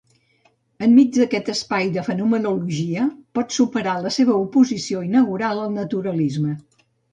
Enmig d'aquest espai de fenomenologia pot superar la seva oposició inaugural al naturalisme.